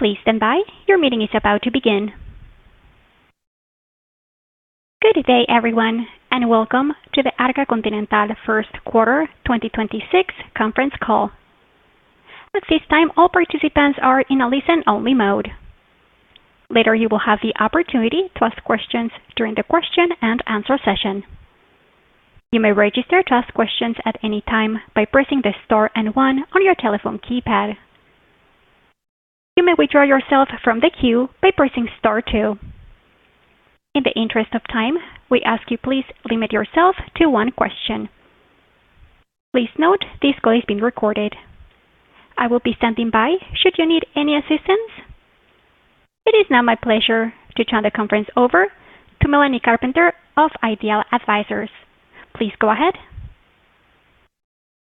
Good day, everyone, and welcome to the Arca Continental first quarter 2026 conference call. At this time, all participants are in a listen-only mode. Later, you will have the opportunity to ask questions during the question and answer session. You may register to ask questions at any time by pressing the Star and one on your telephone keypad. You may withdraw yourself from the queue by pressing Star two. In the interest of time, we ask you please limit yourself to one question. Please note this call is being recorded. I will be standing by should you need any assistance. It is now my pleasure to turn the conference over to Melanie Carpenter of Ideal Advisors. Please go ahead.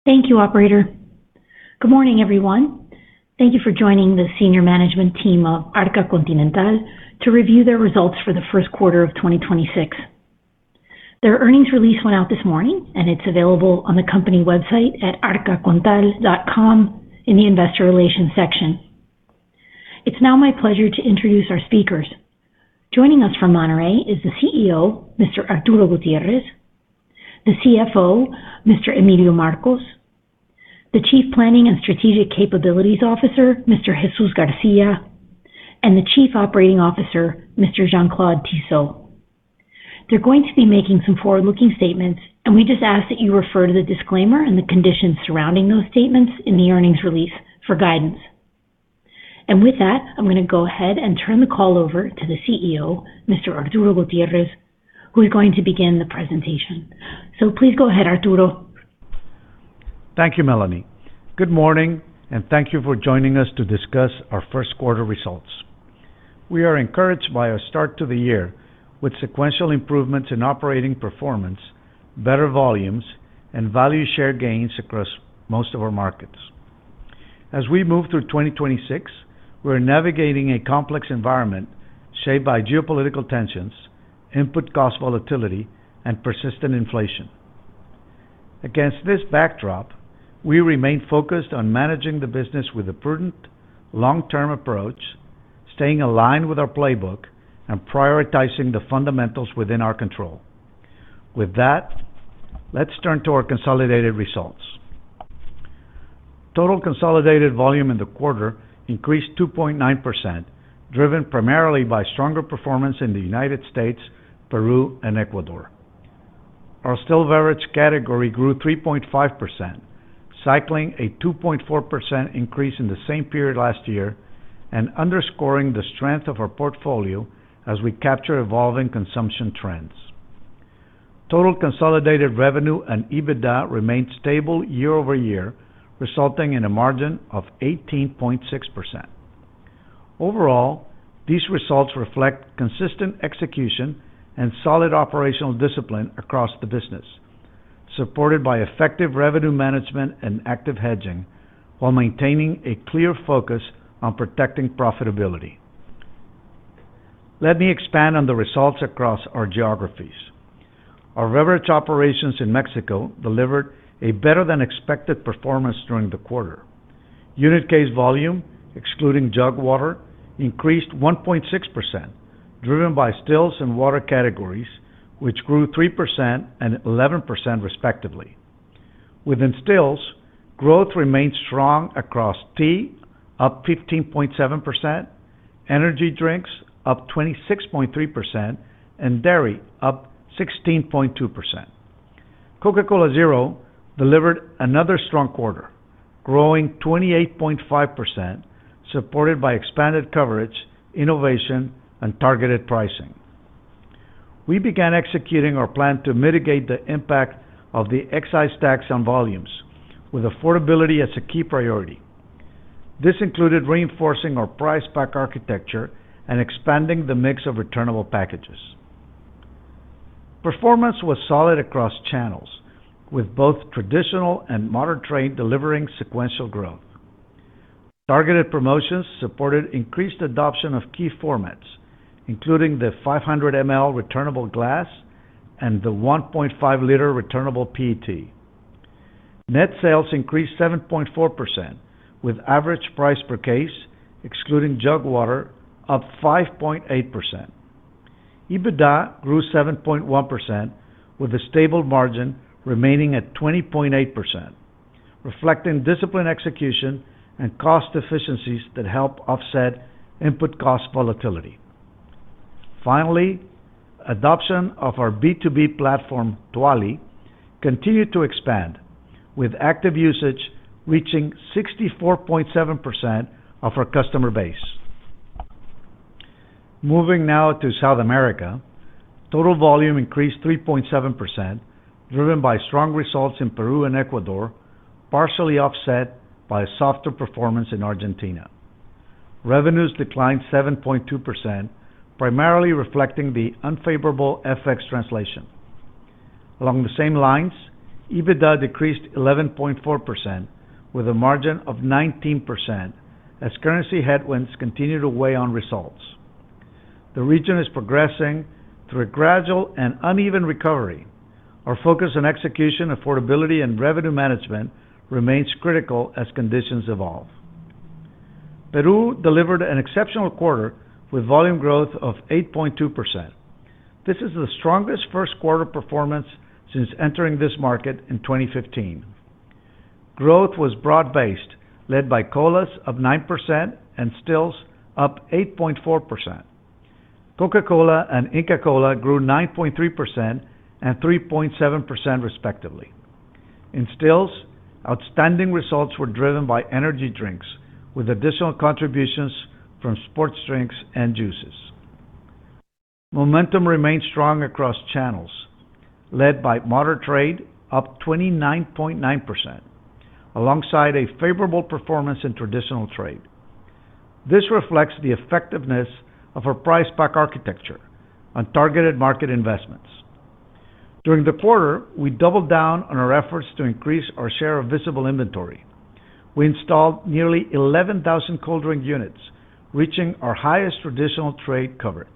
Thank you, operator. Good morning, everyone. Thank you for joining the senior management team of Arca Continental to review their results for the first quarter of 2026. Their earnings release went out this morning, and it's available on the company website at arcacontinental.com in the investor relations section. It's now my pleasure to introduce our speakers. Joining us from Monterrey is the Chief Executive Officer, Mr. Arturo Gutiérrez, the Chief Financial Officer, Mr. Emilio Marcos, the Chief Planning and Strategic Capabilities Officer, Mr. Jesús García, and the Chief Operating Officer, Mr. Jean Claude Tissot. They're going to be making some forward-looking statements, and we just ask that you refer to the disclaimer and the conditions surrounding those statements in the earnings release for guidance. With that, I'm going to go ahead and turn the call over to the Chief Executive Officer, Mr. Arturo Gutiérrez, who is going to begin the presentation. Please go ahead, Arturo. Thank you, Melanie. Good morning, and thank you for joining us to discuss our first quarter results. We are encouraged by our start to the year with sequential improvements in operating performance, better volumes, and value share gains across most of our markets. As we move through 2026, we're navigating a complex environment shaped by geopolitical tensions, input cost volatility, and persistent inflation. Against this backdrop, we remain focused on managing the business with a prudent, long-term approach, staying aligned with our playbook, and prioritizing the fundamentals within our control. With that, let's turn to our consolidated results. Total consolidated volume in the quarter increased 2.9%, driven primarily by stronger performance in the United States, Peru, and Ecuador. Our still beverage category grew 3.5%, cycling a 2.4% increase in the same period last year and underscoring the strength of our portfolio as we capture evolving consumption trends. Total consolidated revenue and EBITDA remained stable year-over-year, resulting in a margin of 18.6%. Overall, these results reflect consistent execution and solid operational discipline across the business, supported by effective revenue management and active hedging while maintaining a clear focus on protecting profitability. Let me expand on the results across our geographies. Our beverage operations in Mexico delivered a better-than-expected performance during the quarter. Unit case volume, excluding jug water, increased 1.6%, driven by stills and water categories, which grew 3% and 11% respectively. Within stills, growth remained strong across tea, up 15.7%, energy drinks up 26.3%, and dairy up 16.2%. Coca-Cola Zero delivered another strong quarter, growing 28.5%, supported by expanded coverage, innovation, and targeted pricing. We began executing our plan to mitigate the impact of the excise tax on volumes with affordability as a key priority. This included reinforcing our price pack architecture and expanding the mix of returnable packages. Performance was solid across channels, with both traditional and modern trade delivering sequential growth. Targeted promotions supported increased adoption of key formats, including the 500 ml returnable glass and the 1.5-liter returnable PET. Net sales increased 7.4%, with average price per case excluding jug water up 5.8%. EBITDA grew 7.1%, with a stable margin remaining at 20.8%, reflecting disciplined execution and cost efficiencies that help offset input cost volatility. Finally, adoption of our B2B platform, TUALI, continued to expand, with active usage reaching 64.7% of our customer base. Moving now to South America, total volume increased 3.7%, driven by strong results in Peru and Ecuador, partially offset by softer performance in Argentina. Revenues declined 7.2%, primarily reflecting the unfavorable FX translation. Along the same lines, EBITDA decreased 11.4% with a margin of 19% as currency headwinds continued to weigh on results. The region is progressing through a gradual and uneven recovery. Our focus on execution, affordability, and revenue management remains critical as conditions evolve. Peru delivered an exceptional quarter with volume growth of 8.2%. This is the strongest first-quarter performance since entering this market in 2015. Growth was broad-based, led by colas of 9% and stills up 8.4%. Coca-Cola and Inca Kola grew 9.3% and 3.7% respectively. In stills, outstanding results were driven by energy drinks, with additional contributions from sports drinks and juices. Momentum remained strong across channels, led by modern trade, up 29.9%, alongside a favorable performance in traditional trade. This reflects the effectiveness of our price pack architecture on targeted market investments. During the quarter, we doubled down on our efforts to increase our share of visible inventory. We installed nearly 11,000 cold drink units, reaching our highest traditional trade coverage.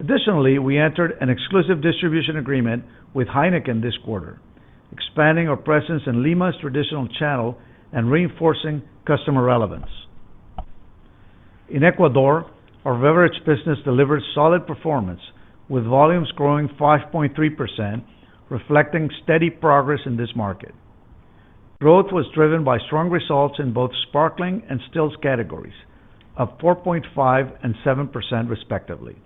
Additionally, we entered an exclusive distribution agreement with Heineken this quarter, expanding our presence in Lima's traditional channel and reinforcing customer relevance. In Ecuador, our beverage business delivered solid performance, with volumes growing 5.3%, reflecting steady progress in this market. Growth was driven by strong results in both sparkling and stills categories of 4.5% and 7% respectively.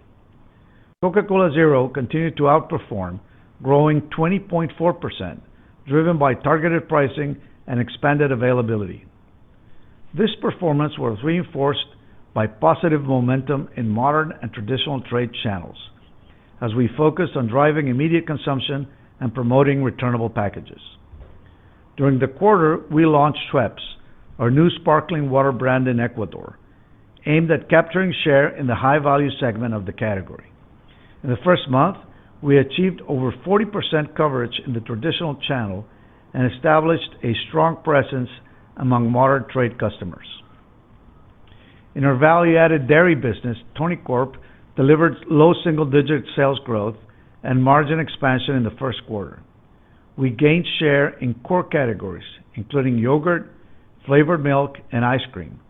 Coca-Cola Zero continued to outperform, growing 20.4%, driven by targeted pricing and expanded availability. This performance was reinforced by positive momentum in modern and traditional trade channels as we focused on driving immediate consumption and promoting returnable packages. During the quarter, we launched Schweppes, our new sparkling water brand in Ecuador, aimed at capturing share in the high-value segment of the category. In the first month, we achieved over 40% coverage in the traditional channel and established a strong presence among modern trade customers. In our value-added dairy business, Tonicorp delivered low double-digit sales growth and margin expansion in the first quarter. We gained share in core categories, including yogurt, flavored milk, and ice cream,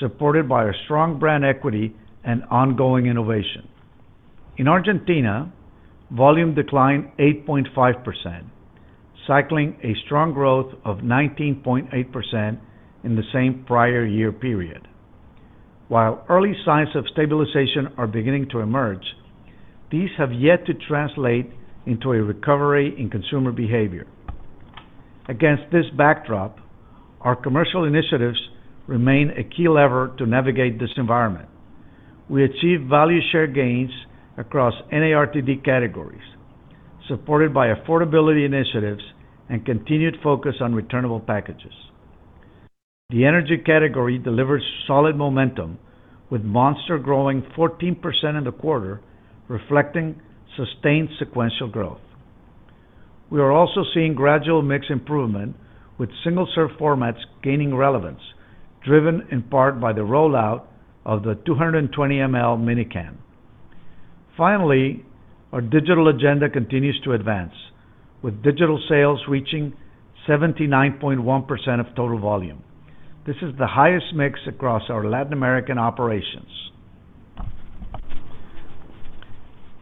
supported by our strong brand equity and ongoing innovation. In Argentina, volume declined 8.5%, cycling a strong growth of 19.8% in the same prior year period. While early signs of stabilization are beginning to emerge, these have yet to translate into a recovery in consumer behavior. Against this backdrop, our commercial initiatives remain a key lever to navigate this environment. We achieved value share gains across NARTD categories, supported by affordability initiatives and continued focus on returnable packages. The energy category delivered solid momentum, with Monster growing 14% in the quarter, reflecting sustained sequential growth. We are also seeing gradual mix improvement, with single-serve formats gaining relevance, driven in part by the rollout of the 220 ml mini-can. Finally, our digital agenda continues to advance, with digital sales reaching 79.1% of total volume. This is the highest mix across our Latin American operations.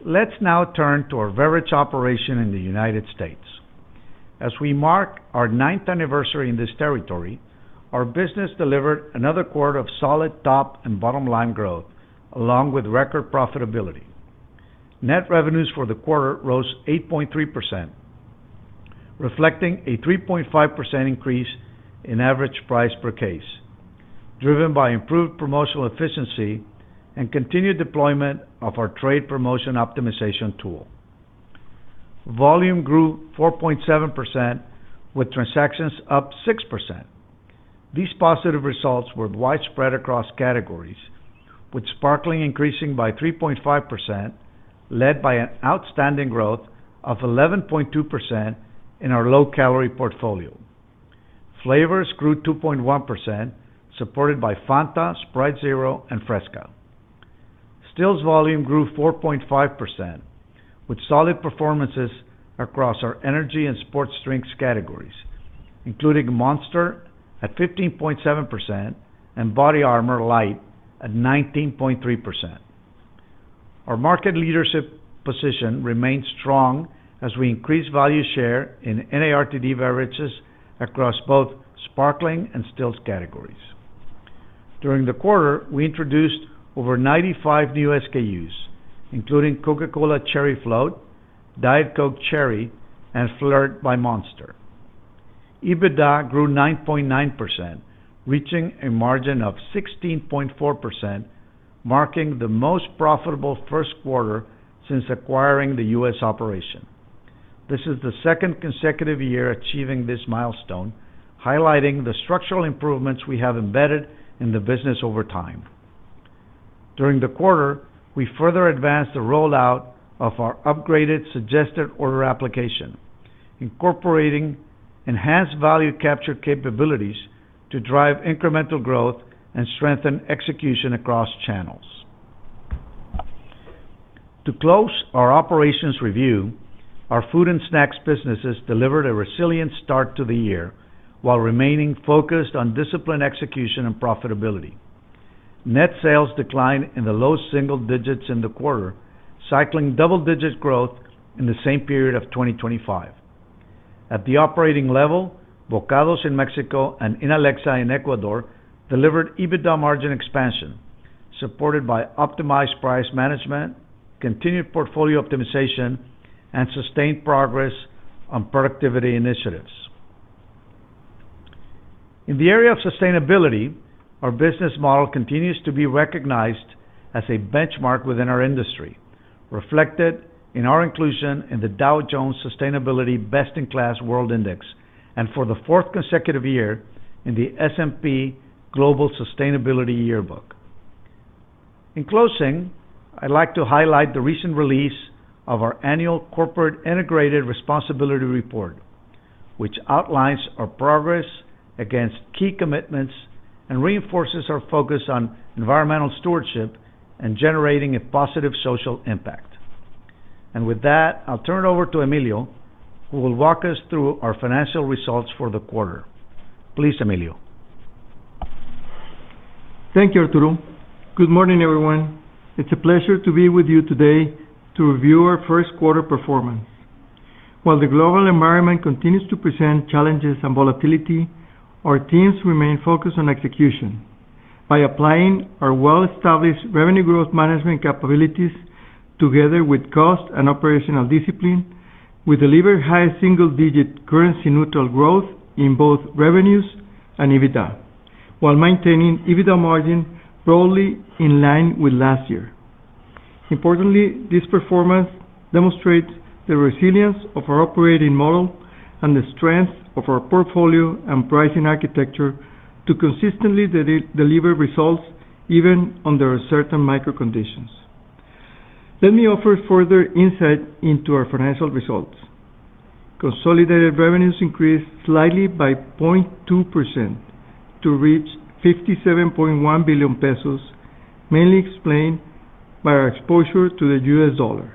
Let's now turn to our beverage operation in the United States. As we mark our ninth anniversary in this territory, our business delivered another quarter of solid top- and bottom-line growth, along with record profitability. Net revenues for the quarter rose 8.3%, reflecting a 3.5% increase in average price per case, driven by improved promotional efficiency and continued deployment of our trade promotion optimization tool. Volume grew 4.7%, with transactions up 6%. These positive results were widespread across categories, with sparkling increasing by 3.5%, led by an outstanding growth of 11.2% in our low-calorie portfolio. Flavors grew 2.1%, supported by Fanta, Sprite Zero, and Fresca. Stills volume grew 4.5%, with solid performances across our energy and sports drinks categories, including Monster at 15.7% and BODYARMOR Lyte at 19.3%. Our market leadership position remains strong as we increase value share in NARTD beverages across both sparkling and stills categories. During the quarter, we introduced over 95 new SKUs, including Coca-Cola Cherry Float, Diet Coke Cherry, and FLRT by Monster. EBITDA grew 9.9%, reaching a margin of 16.4%, marking the most profitable first quarter since acquiring the U.S. operation. This is the second consecutive year achieving this milestone, highlighting the structural improvements we have embedded in the business over time. During the quarter, we further advanced the rollout of our upgraded suggested order application. Incorporating enhanced value capture capabilities to drive incremental growth and strengthen execution across channels. To close our operations review, our food and snacks businesses delivered a resilient start to the year while remaining focused on disciplined execution and profitability. Net sales declined in the low single digits% in the quarter, cycling double-digit% growth in the same period of 2025. At the operating level, Bokados in Mexico and Inalecsa in Ecuador delivered EBITDA margin expansion, supported by optimized price management, continued portfolio optimization, and sustained progress on productivity initiatives. In the area of sustainability, our business model continues to be recognized as a benchmark within our industry, reflected in our inclusion in the Dow Jones Sustainability World Index, and for the fourth consecutive year in the S&P Global Sustainability Yearbook. In closing, I'd like to highlight the recent release of our Integrated Annual Report, which outlines our progress against key commitments and reinforces our focus on environmental stewardship and generating a positive social impact. With that, I'll turn it over to Emilio, who will walk us through our financial results for the quarter. Please, Emilio. Thank you, Arturo. Good morning, everyone. It's a pleasure to be with you today to review our first quarter performance. While the global environment continues to present challenges and volatility, our teams remain focused on execution. By applying our well-established revenue growth management capabilities, together with cost and operational discipline, we delivered high single-digit currency neutral growth in both revenues and EBITDA, while maintaining EBITDA margin broadly in line with last year. Importantly, this performance demonstrates the resilience of our operating model and the strength of our portfolio and pricing architecture to consistently deliver results, even under certain macro conditions. Let me offer further insight into our financial results. Consolidated revenues increased slightly by 0.2% to reach 57.1 billion pesos, mainly explained by our exposure to the US dollar.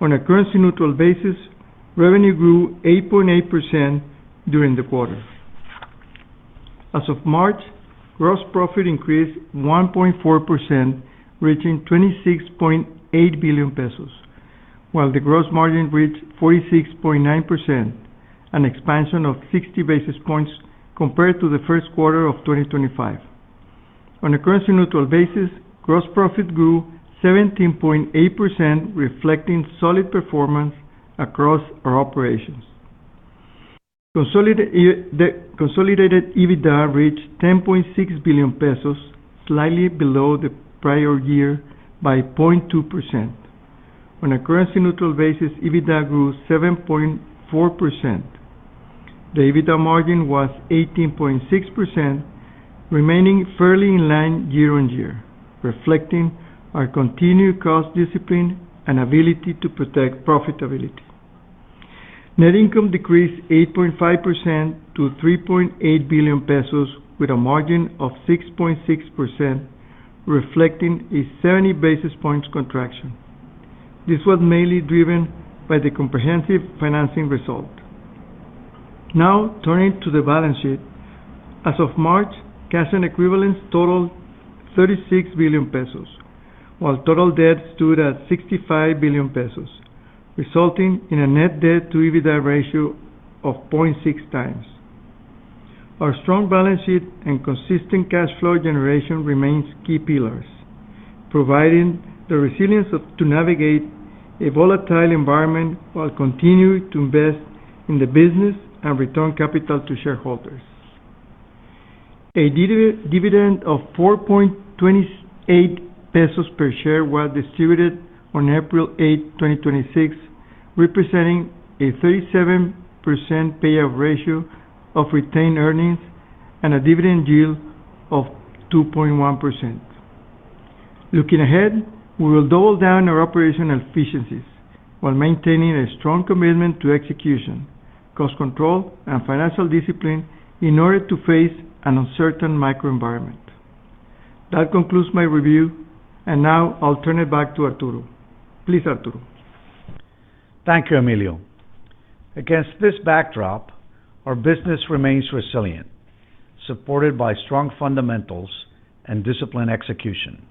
On a currency neutral basis, revenue grew 8.8% during the quarter. As of March, gross profit increased 1.4%, reaching 26.8 billion pesos, while the gross margin reached 46.9%, an expansion of 60 basis points compared to the first quarter of 2025. On a currency neutral basis, gross profit grew 17.8%, reflecting solid performance across our operations. The consolidated EBITDA reached 10.6 billion pesos, slightly below the prior year by 0.2%. On a currency neutral basis, EBITDA grew 7.4%. The EBITDA margin was 18.6%, remaining fairly in line year-on-year, reflecting our continued cost discipline and ability to protect profitability. Net income decreased 8.5% to 3.8 billion pesos, with a margin of 6.6%, reflecting a 70 basis points contraction. This was mainly driven by the comprehensive financing result. Now, turning to the balance sheet. As of March, cash and equivalents totaled 36 billion pesos, while total debt stood at 65 billion pesos, resulting in a net debt to EBITDA ratio of 0.6x. Our strong balance sheet and consistent cash flow generation remains key pillars, providing the resilience to navigate a volatile environment while continuing to invest in the business and return capital to shareholders. A dividend of 4.28 pesos per share was distributed on April 8th, 2026, representing a 37% payout ratio of retained earnings and a dividend yield of 2.1%. Looking ahead, we will double down our operational efficiencies while maintaining a strong commitment to execution, cost control, and financial discipline in order to face an uncertain microenvironment. That concludes my review, and now I'll turn it back to Arturo. Please, Arturo. Thank you, Emilio. Against this backdrop, our business remains resilient, supported by strong fundamentals and disciplined execution.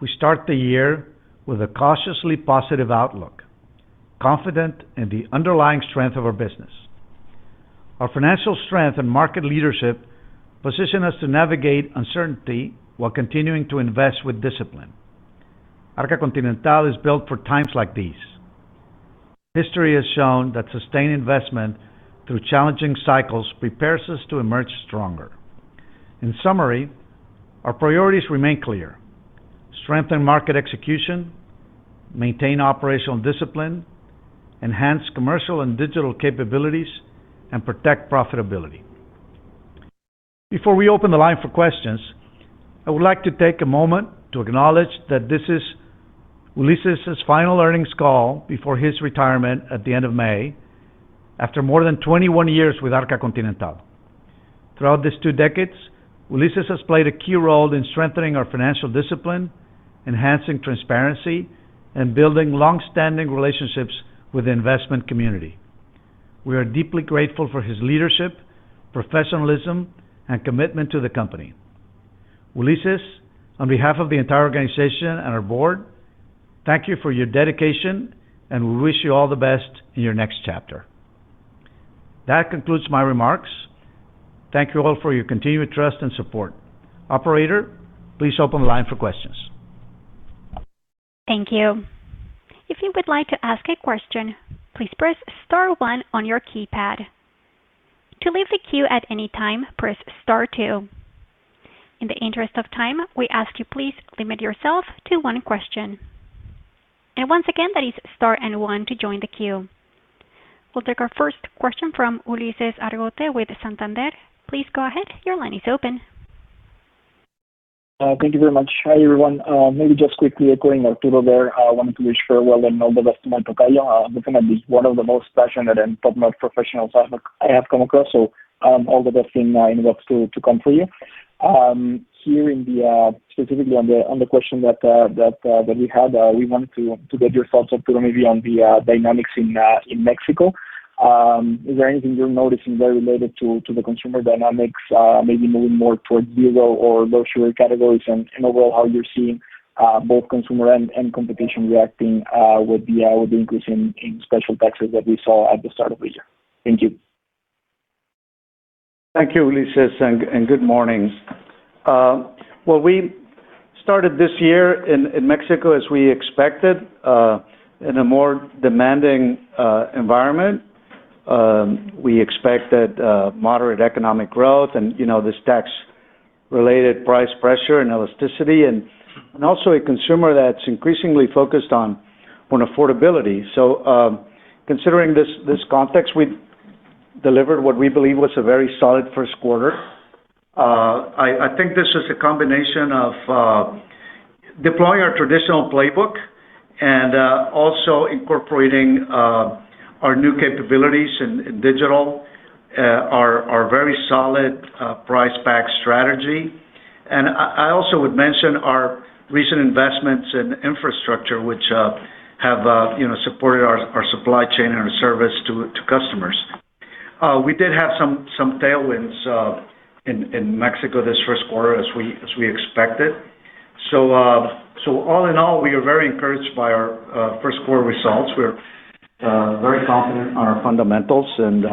We start the year with a cautiously positive outlook, confident in the underlying strength of our business. Our financial strength and market leadership position us to navigate uncertainty while continuing to invest with discipline. Arca Continental is built for times like these. History has shown that sustained investment through challenging cycles prepares us to emerge stronger. In summary, our priorities remain clear. Strengthen market execution, maintain operational discipline, enhance commercial and digital capabilities, and protect profitability. Before we open the line for questions, I would like to take a moment to acknowledge that this is Ulises Fernández de Lara final earnings call before his retirement at the end of May, after more than 21 years with Arca Continental. Throughout these two decades, Ulises Fernández de Lara has played a key role in strengthening our financial discipline, enhancing transparency, and building longstanding relationships with the investment community. We are deeply grateful for his leadership, professionalism, and commitment to the company. Ulises Fernández de Lara, on behalf of the entire organization and our board, thank you for your dedication, and we wish you all the best in your next chapter. That concludes my remarks. Thank you all for your continued trust and support. Operator, please open the line for questions. We'll take our first question from Ulises Argote with Santander. Please go ahead. Your line is open. Thank you very much. Hi, everyone. Maybe just quickly echoing Arturo there. I wanted to wish farewell and all the best to Ulises Fernández de Lara. Ulises Fernández de Lara is one of the most passionate and top-notch professionals I have come across, so all the best in what's to come for you. Specifically on the question that we had, we wanted to get your thoughts, Arturo, maybe on the dynamics in Mexico. Is there anything you're noticing there related to the consumer dynamics, maybe moving more towards zero or low-sugar categories? In overall, how you're seeing both consumer and competition reacting with the increase in special taxes that we saw at the start of this year. Thank you. Thank you, Ulises, and good morning. Well, we started this year in Mexico as we expected, in a more demanding environment. We expected moderate economic growth and this tax-related price pressure and elasticity, and also a consumer that's increasingly focused on affordability. Considering this context, we delivered what we believe was a very solid first quarter. I think this is a combination of deploying our traditional playbook and also incorporating our new capabilities in digital, our very solid price-back strategy. I also would mention our recent investments in infrastructure, which have supported our supply chain and our service to customers. We did have some tailwinds in Mexico this first quarter as we expected. All in all, we are very encouraged by our first quarter results. We're very confident on our fundamentals, and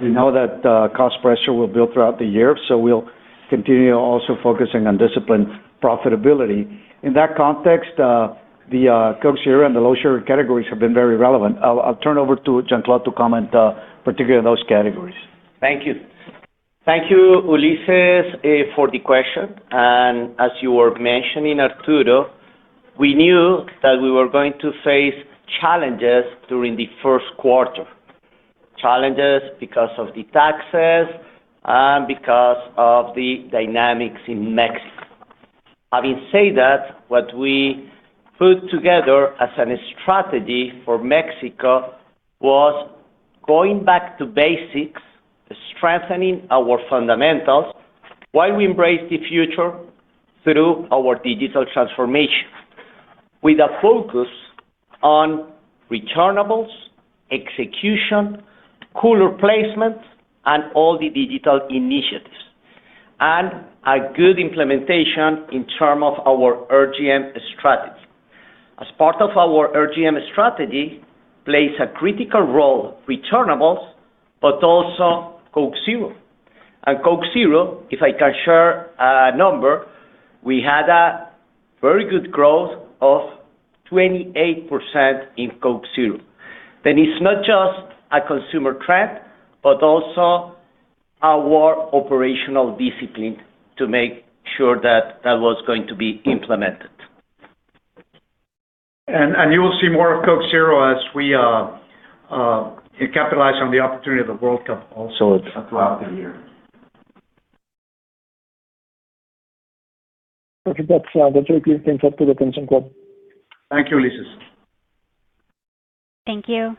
we know that cost pressure will build throughout the year, so we'll continue also focusing on disciplined profitability. In that context, the Coke Zero and the low-sugar categories have been very relevant. I'll turn over to Jean Claude to comment particularly on those categories. Thank you. Thank you, Ulises, for the question. As you were mentioning, Arturo, we knew that we were going to face challenges during the first quarter, challenges because of the taxes and because of the dynamics in Mexico. Having said that, what we put together as a strategy for Mexico was going back to basics, strengthening our fundamentals, while we embrace the future through our digital transformation. With a focus on returnables, execution, cooler placements, and all the digital initiatives, and a good implementation in terms of our RGM strategy. As part of our RGM strategy, it plays a critical role, returnables, but also Coke Zero. Coke Zero, if I can share a number, we had a very good growth of 28% in Coke Zero. That is not just a consumer trend, but also our operational discipline to make sure that that was going to be implemented. You will see more of Coke Zero as we capitalize on the opportunity of the World Cup also throughout the year. Okay. That's the three things. Thanks, Arturo. Thanks, Jean Claude. Thank you, Ulises. Thank you.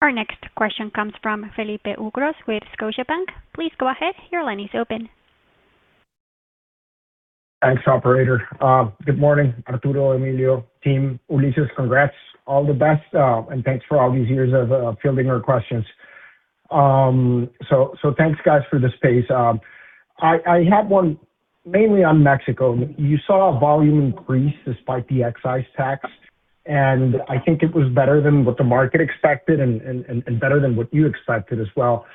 Our next question comes from Felipe Ucros with Scotiabank. Please go ahead, your line is open. Thanks, operator. Good morning, Arturo, Emilio, team. Ulises, congrats. All the best, and thanks for all these years of fielding our questions. Thanks, guys, for the space. I had one mainly on Mexico. You saw a volume increase despite the excise tax, and I think it was better than what the market expected and better than what you expected as well.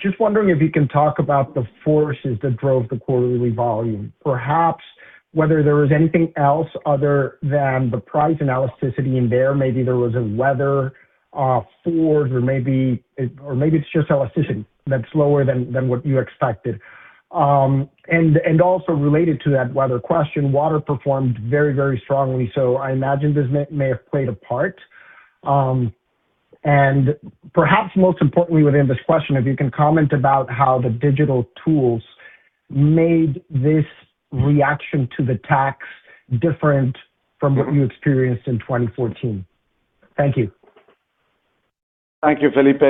Just wondering if you can talk about the forces that drove the quarterly volume. Perhaps whether there was anything else other than the price and elasticity in there. Maybe there was a weather force or maybe it's just elasticity that's lower than what you expected. Also related to that weather question, water performed very strongly, so I imagine this may have played a part. Perhaps most importantly within this question, if you can comment about how the digital tools made this reaction to the tax different from what you experienced in 2014. Thank you. Thank you, Felipe.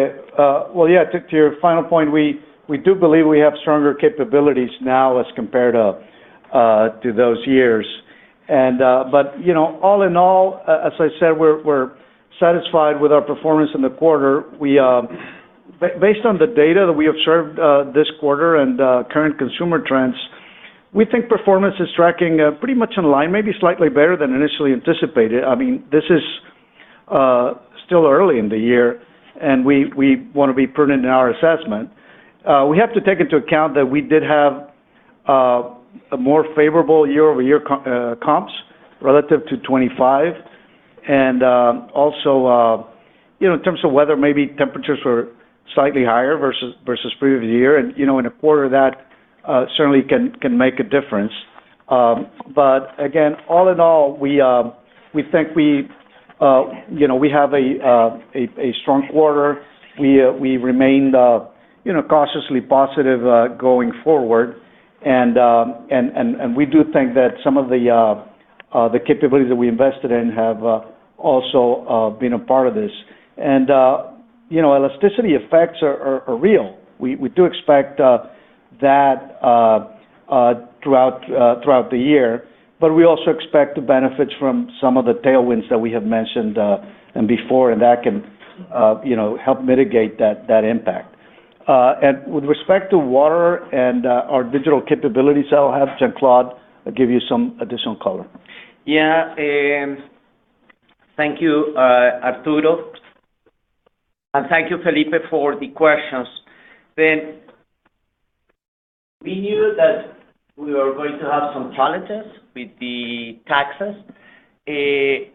Well, yeah, to your final point, we do believe we have stronger capabilities now as compared to those years. All in all, as I said, we're satisfied with our performance in the quarter. Based on the data that we observed this quarter and current consumer trends, we think performance is tracking pretty much in line, maybe slightly better than initially anticipated. This is still early in the year and we want to be prudent in our assessment. We have to take into account that we did have a more favorable year-over-year comps relative to 2025 and also in terms of weather, maybe temperatures were slightly higher versus previous year and in a quarter that certainly can make a difference. Again, all in all, we think we have a strong quarter. We remained cautiously positive going forward and we do think that some of the capabilities that we invested in have also been a part of this. Elasticity effects are real. We do expect that throughout the year. We also expect the benefits from some of the tailwinds that we have mentioned before and that can help mitigate that impact. With respect to water and our digital capabilities, I'll have Jean Claude give you some additional color. Yeah. Thank you, Arturo, and thank you, Felipe, for the questions. We knew that we were going to have some challenges with the taxes. We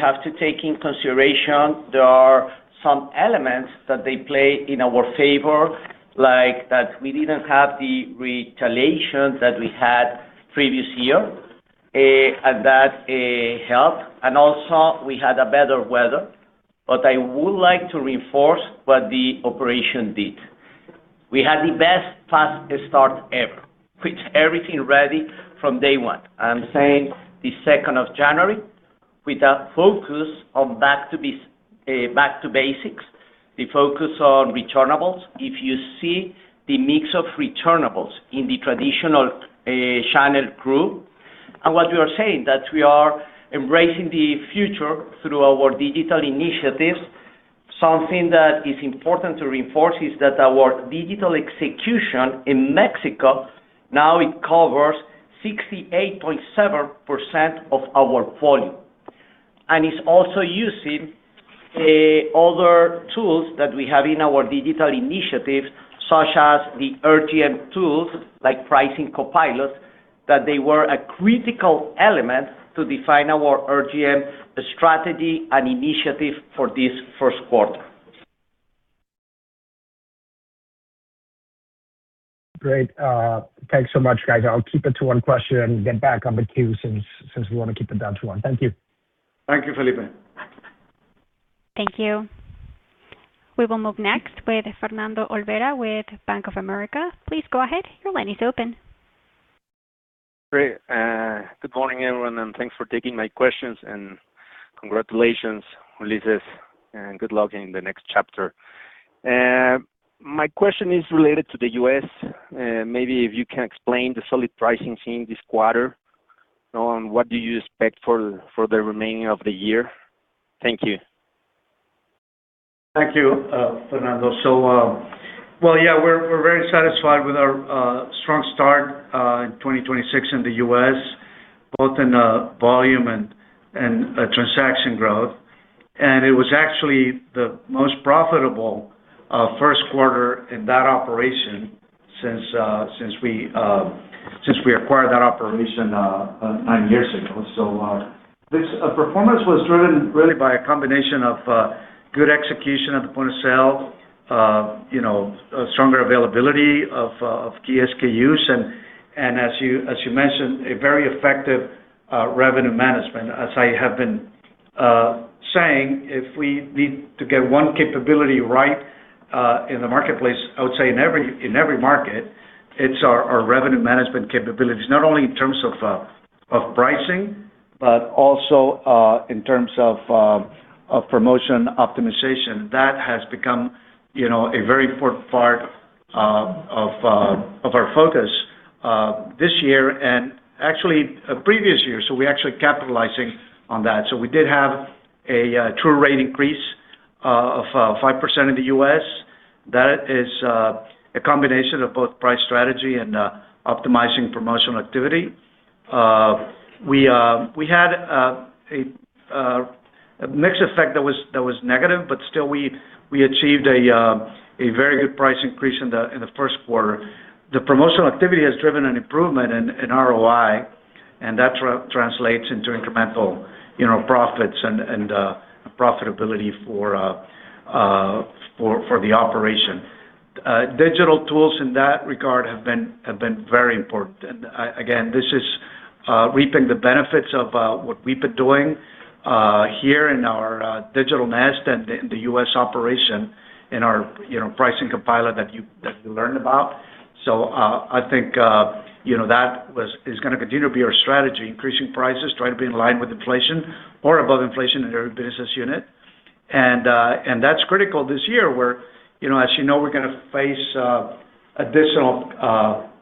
have to take into consideration there are some elements that play in our favor, like that we didn't have the retaliations that we had previous year, and that helped, and also we had better weather. I would like to reinforce what the operation did. We had the best fast start ever with everything ready from day one. I'm saying the 2nd of January, with a focus on back to basics, the focus on returnables. If you see the mix of returnables in the traditional channel group and what we are saying, that we are embracing the future through our digital initiatives. Something that is important to reinforce is that our digital execution in Mexico now it covers 68.7% of our volume and is also using other tools that we have in our digital initiatives, such as the RGM tools like pricing copilots, that they were a critical element to define our RGM strategy and initiative for this first quarter. Great. Thanks so much, guys. I'll keep it to one question and get back on the queue since we want to keep it down to one. Thank you. Thank you, Felipe. Thank you. We will move next with Fernando Olvera with Bank of America. Please go ahead. Your line is open. Great. Good morning, everyone, and thanks for taking my questions and congratulations on the results and good luck in the next chapter. My question is related to the U.S. Maybe if you can explain the solid pricing seen this quarter and what do you expect for the remainder of the year. Thank you. Thank you, Fernando. Well, yeah, we're very satisfied with our strong start in 2026 in the U.S., both in volume and transaction growth. It was actually the most profitable first quarter in that operation since we acquired that operation nine years ago. This performance was driven really by a combination of good execution at the point of sale, stronger availability of key SKUs and, as you mentioned, a very effective revenue management. As I have been saying, if we need to get one capability right in the marketplace, I would say in every market, it's our revenue management capabilities, not only in terms of pricing, but also in terms of promotion optimization. That has become a very important part of our focus this year and actually previous years. We're actually capitalizing on that. We did have a true rate increase of 5% in the U.S. That is a combination of both price strategy and optimizing promotional activity. We had a mix effect that was negative, but still we achieved a very good price increase in the first quarter. The promotional activity has driven an improvement in ROI, and that translates into incremental profits and profitability for the operation. Digital tools in that regard have been very important. Again, this is reaping the benefits of what we've been doing here in our Digital Nest and in the U.S. operation in our Pricing Copilot that you learned about. I think that is going to continue to be our strategy, increasing prices, trying to be in line with inflation or above inflation in every business unit. That's critical this year where, as you know, we're going to face additional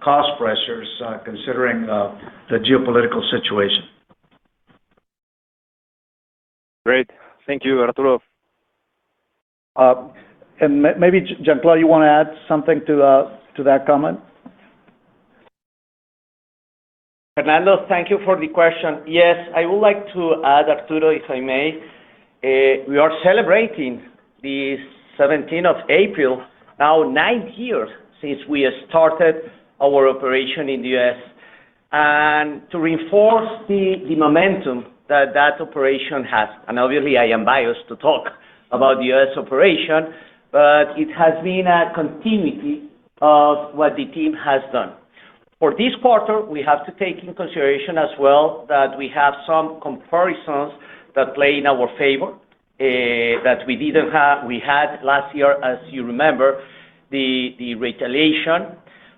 cost pressures, considering the geopolitical situation. Great. Thank you, Arturo. Maybe, Jean Claude, you want to add something to that comment? Fernando, thank you for the question. Yes, I would like to add, Arturo, if I may. We are celebrating the April 17th, now nine years since we started our operation in the U.S., and to reinforce the momentum that that operation has. Obviously I am biased to talk about the U.S. operation, but it has been a continuity of what the team has done. For this quarter, we have to take into consideration as well that we have some comparisons that play in our favor, that we had last year, as you remember, the retaliation.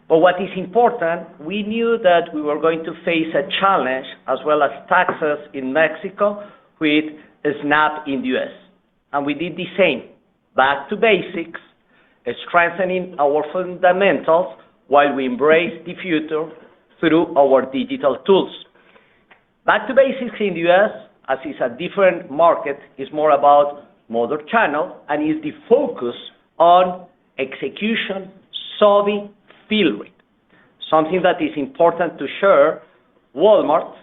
What is important, we knew that we were going to face a challenge as well as taxes in Mexico with SNAP in the U.S. We did the same, back to basics, strengthening our fundamentals while we embrace the future through our digital tools. Back to basics in the U.S., as it is a different market, is more about modern channel and is the focus on execution, solving fill rate. Something that is important to share, Walmart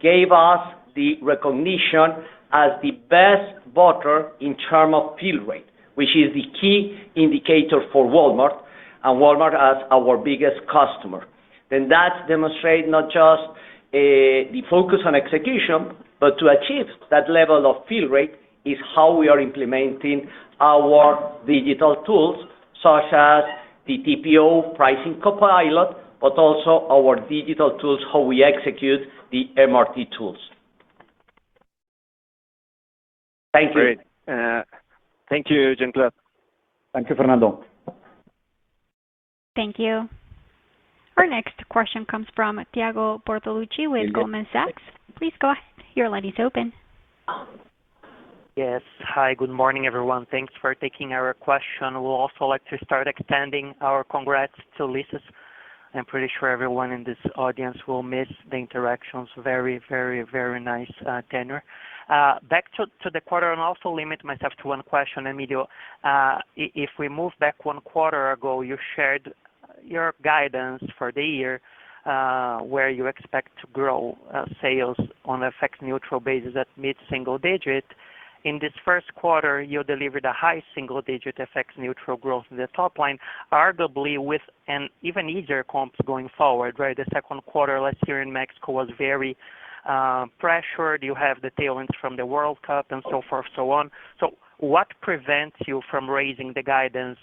gave us the recognition as the best partner in terms of fill rate, which is the key indicator for Walmart, and Walmart as our biggest customer. That demonstrates not just the focus on execution, but to achieve that level of fill rate is how we are implementing our digital tools, such as the TPO Pricing Copilot, but also our digital tools, how we execute the MRT tools. Thank you. Great. Thank you, Jean Claude. Thank you, Fernando. Thank you. Our next question comes from Thiago Bortoluci with Goldman Sachs. Please go ahead. Your line is open. Yes. Hi, good morning, everyone. Thanks for taking our question. We'd also like to start extending our congrats to Ulises. I'm pretty sure everyone in this audience will miss the interactions. Very nice tenure. Back to the quarter, and I'll also limit myself to one question, Emilio. If we move back one quarter ago, you shared your guidance for the year, where you expect to grow sales on a FX-neutral basis at mid-single-digit. In this first quarter, you delivered a high single-digit FX-neutral growth in the top line, arguably with an even easier comps going forward, right? The second quarter last year in Mexico was very pressured. You have the tailwinds from the World Cup and so forth, so on. What prevents you from raising the guidance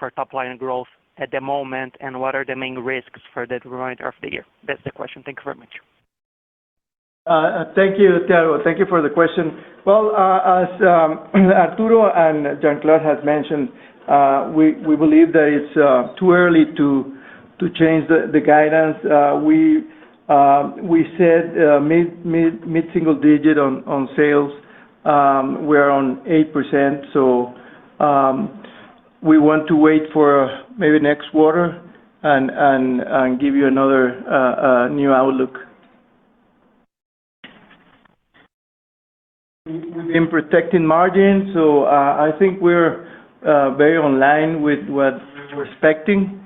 for top-line growth at the moment, and what are the main risks for the remainder of the year? That's the question. Thank you very much. Thank you, Thiago. Thank you for the question. Well, as Arturo and Jean Claude had mentioned, we believe that it's too early to change the guidance. We said mid-single digit on sales. We're on 8%, so we want to wait for maybe next quarter and give you another new outlook. We've been protecting margins, so I think we're very in line with what we're expecting.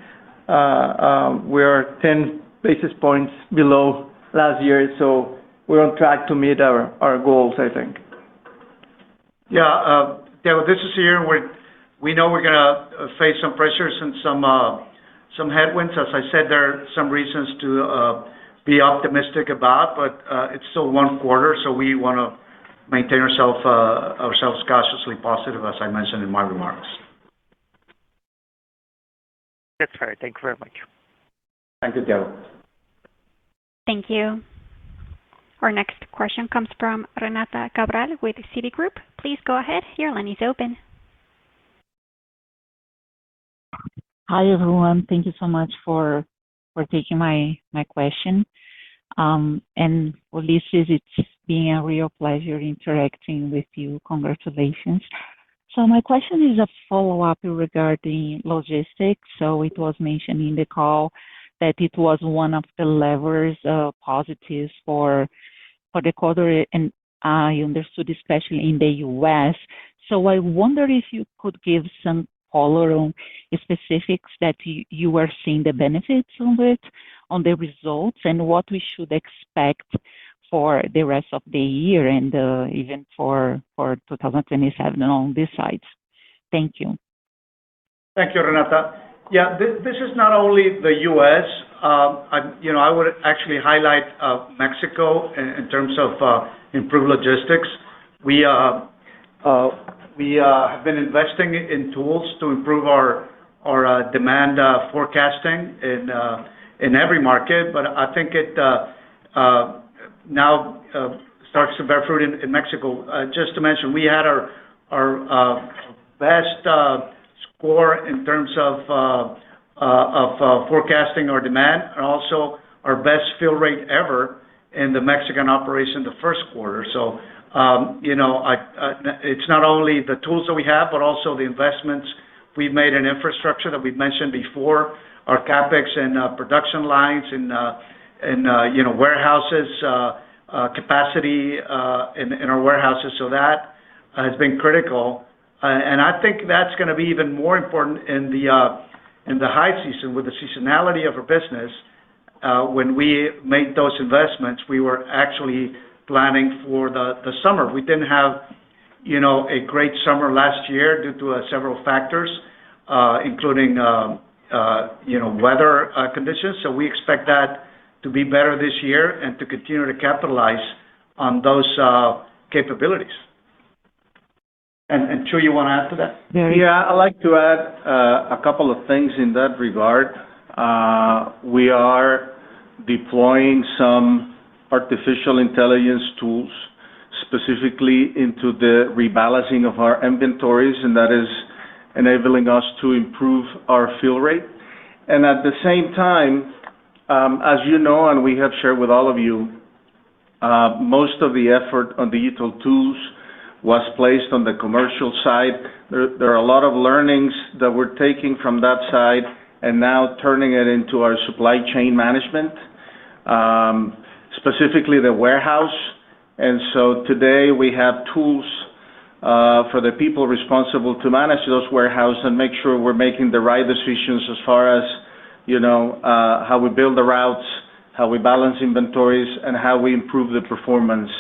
We are 10 basis points below last year, so we're on track to meet our goals, I think. Yeah. This is a year where we know we're going to face some pressures and some headwinds. As I said, there are some reasons to be optimistic about, but it's still one quarter, so we want to maintain ourselves cautiously positive, as I mentioned in my remarks. That's fair. Thank you very much. Thank you, Thiago. Thank you. Our next question comes from Renata Cabral with Citigroup. Please go ahead. Your line is open. Hi, everyone. Thank you so much for taking my question. Ulises, it's been a real pleasure interacting with you. Congratulations. My question is a follow-up regarding logistics. It was mentioned in the call that it was one of the levers, positives for the quarter, and I understood, especially in the U.S. I wonder if you could give some color on specifics that you are seeing the benefits on it, on the results, and what we should expect for the rest of the year and even for 2027 on this side. Thank you. Thank you, Renata. Yeah, this is not only the U.S. I would actually highlight Mexico in terms of improved logistics. We have been investing in tools to improve our demand forecasting in every market. I think it now starts to bear fruit in Mexico. Just to mention, we had our best score in terms of forecasting our demand, and also our best fill rate ever in the Mexican operation the first quarter. It's not only the tools that we have, but also the investments we've made in infrastructure that we've mentioned before, our CapEx and production lines and warehouses capacity in our warehouses. That has been critical, and I think that's going to be even more important in the high season with the seasonality of our business. When we made those investments, we were actually planning for the summer. We didn't have a great summer last year due to several factors, including weather conditions. We expect that to be better this year and to continue to capitalize on those capabilities. Arturo, you want to add to that? Yeah, I'd like to add a couple of things in that regard. We are deploying some artificial intelligence tools specifically into the rebalancing of our inventories, and that is enabling us to improve our fill rate. At the same time, as you know and we have shared with all of you, most of the effort on the digital tools was placed on the commercial side. There are a lot of learnings that we're taking from that side and now turning it into our supply chain management, specifically the warehouse. Today we have tools for the people responsible to manage those warehouses and make sure we're making the right decisions as far as how we build the routes, how we balance inventories, and how we improve the performance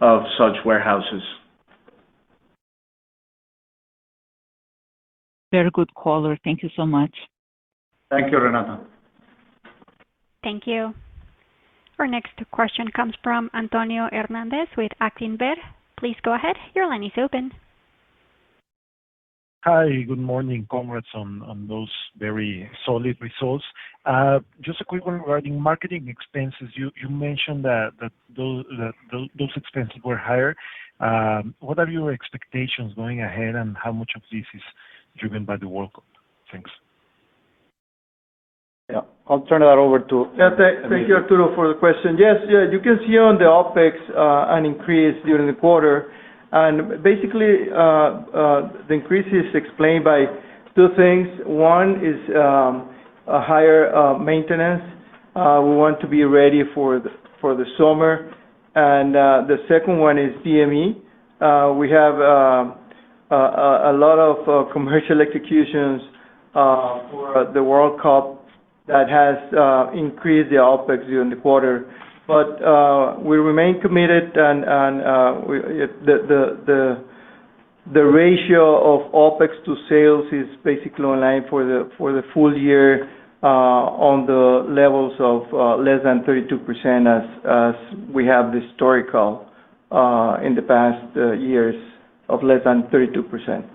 of such warehouses. Very good call. Thank you so much. Thank you, Renata. Thank you. Our next question comes from Antonio Hernández with Actinver. Please go ahead. Your line is open. Hi. Good morning. Congrats on those very solid results. Just a quick one regarding marketing expenses. You mentioned that those expenses were higher. What are your expectations going ahead, and how much of this is driven by the World Cup? Thanks. Yeah. I'll turn that over to Emilio. Thank you, Arturo, for the question. Yes, you can see on the OpEx an increase during the quarter. Basically, the increase is explained by two things. One is a higher maintenance. We want to be ready for the summer. The second one is CME. We have a lot of commercial executions for the World Cup that has increased the OpEx during the quarter. We remain committed, and the ratio of OpEx to sales is basically online for the full year on the levels of less than 32% as we have historical in the past years of less than 32%.